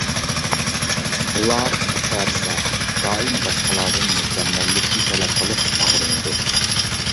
ئۇلار تەرسا، دائىم باشقىلاردىن مۇكەممەللىكنى تەلەپ قىلىپ ئاغرىنىدۇ.